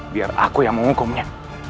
biar aku yang menghukumnya